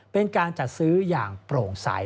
เป็นการจัดซื้ออย่างโปร่งใส